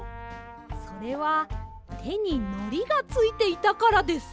それはてにのりがついていたからです。